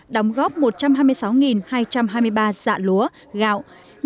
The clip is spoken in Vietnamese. đóng góp một trăm hai mươi sáu hai trăm hai mươi ba dạ lúa gạo